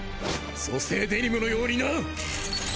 粗製デニムのようにな！